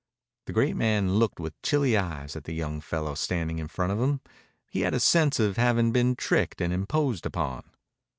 The great man looked with chilly eyes at the young fellow standing in front of him. He had a sense of having been tricked and imposed upon.